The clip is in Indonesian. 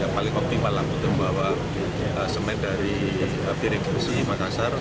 yang paling optimal untuk membawa semen dari diri ke makassar